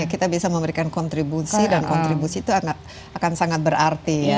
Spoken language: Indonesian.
kita bisa memberikan kontribusi dan kontribusi itu akan sangat berarti ya